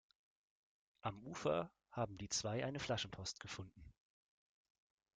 Am Ufer haben die zwei eine Flaschenpost gefunden.